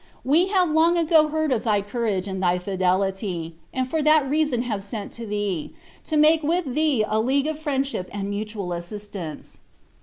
We have long ago heard of thy courage and thy fidelity, and for that reason have sent to thee, to make with thee a league of friendship and mutual assistance.